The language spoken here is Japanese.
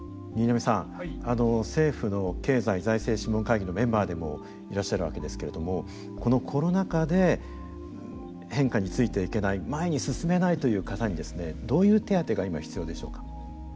新浪さん政府の経済財政諮問会議のメンバーでもいらっしゃるわけですけれどもこのコロナ禍で変化についていけない前に進めないという方にですねどういう手当てが今必要でしょうか。